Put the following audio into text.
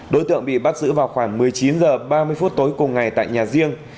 đối tượng bị bắt giữ vào khoảng một mươi chín h ba mươi phút tối cùng ngày tại nhà riêng